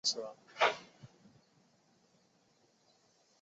化工路是常见的路名。